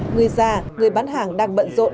người già người bán hàng đang bận rộn